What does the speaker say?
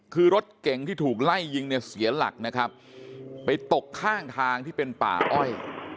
คือรถเก่งที่ถูกไล่ยิงเนี่ยเสียหลักนะครับไปตกข้างทางที่เป็นป่าอ้อย